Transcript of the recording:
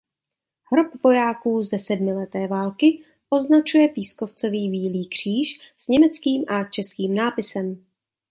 Hrob vojáků ze sedmileté války označuje pískovcový Bílý kříž s německým a českým nápisem.